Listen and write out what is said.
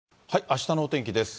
あしたのお天気です。